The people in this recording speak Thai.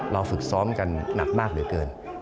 ฝึกซ้อมกันหนักมากเหลือเกิน